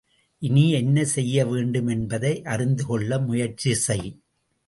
இனி என்ன செய்ய வேண்டும் என்பதை அறிந்து கொள்ள முயற்சி செய்!